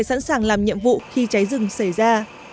sẵn sàng làm nhiệm vụ khi cháy rừng xảy ra